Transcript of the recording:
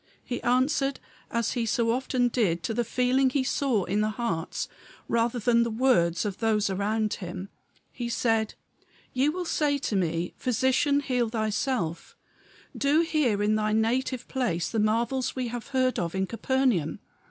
He answered as he so often did to the feeling he saw in the hearts rather than the words of those around him. He said, "Ye will say to me, Physician, heal thyself. Do here in thy native place the marvels we have heard of in Capernaum.